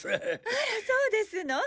あらそうですの？